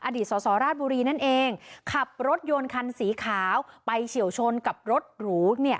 สอสอราชบุรีนั่นเองขับรถยนต์คันสีขาวไปเฉียวชนกับรถหรูเนี่ย